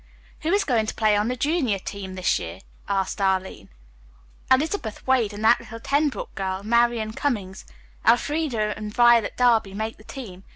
"Who is going to play on the junior team this year?" asked Arline. "Elizabeth Wade, and that little Tenbrook girl, Marian Cummings, Elfreda and Violet Darby make the team.